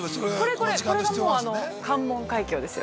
これがもう関門海峡ですよ。